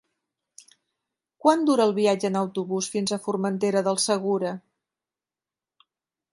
Quant dura el viatge en autobús fins a Formentera del Segura?